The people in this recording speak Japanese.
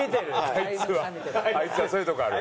あいつはあいつはそういうところある。